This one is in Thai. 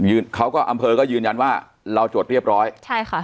เขาก็อำเภอก็ยืนยันว่าเราจดเรียบร้อยใช่ค่ะ